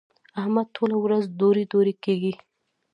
احمد ټوله ورځ دورې دورې کېږي.